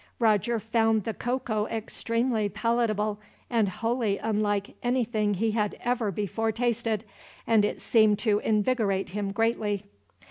Roger found the cocoa extremely palatable, and wholly unlike anything he had ever before tasted; and it seemed to invigorate him greatly.